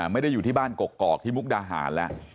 ไม่ได้อยู่ที่บ้านกกอกที่มุกดาหารแล้ว